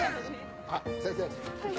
あっ先生に。